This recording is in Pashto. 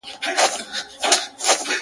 هغه مئین خپل هر ناهیلي پل ته رنگ ورکوي.